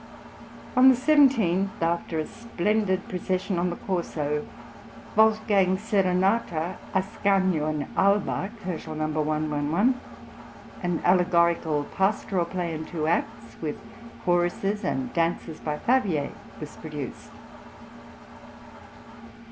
On the 17th, after a splendid procession on the Corso, Wolfgang's serenata "Ascanio in Alba" (111 K.), an allegorical pastoral play in two acts, with choruses and dances, (by Favier) was produced.